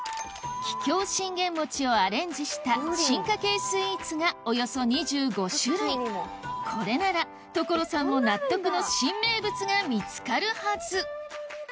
桔梗信玄餅をアレンジした進化系スイーツがおよそ２５種類これなら所さんも納得の新名物が見つかるはず